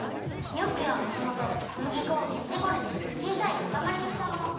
ニョッキはもともとこむぎこをみずでこねてちいさいかたまりにしたもの。